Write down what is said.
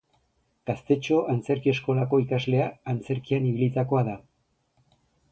Gaztetxo Antzerki Eskolako ikaslea, antzerkian ibilitakoa da.